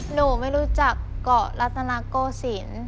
หนูไม่รู้จักเกาะรัตนาโกศิลป์